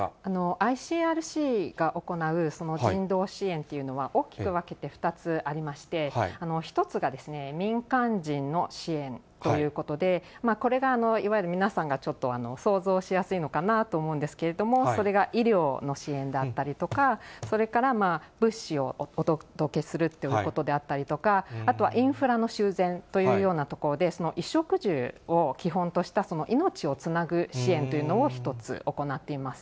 ＩＣＲＣが行う人道支援というのは大きく分けて２つありまして、１つが民間人の支援ということで、これが、いわゆる皆さんがちょっと想像しやすいのかなと思うんですけれども、それが医療の支援であったりとか、それから物資をお届けするということであったりとか、あとはインフラの修繕というようなところで衣食住を基本とした命をつなぐ支援というのを、１つ行っています。